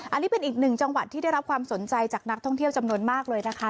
อันนี้เป็นอีกหนึ่งจังหวัดที่ได้รับความสนใจจากนักท่องเที่ยวจำนวนมากเลยนะคะ